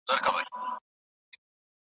د عزت او شرف ساتل يو فردي حق دی.